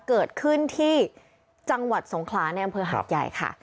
เกิดขึ้นที่จังหวัดสงขลาในอำเภอหาดใหญ่ค่ะ